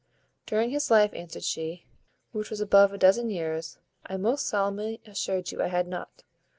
"During his life," answered she, "which was above a dozen years, I most solemnly assure you I had not.